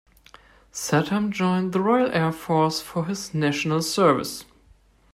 Statham joined the Royal Air Force for his national service.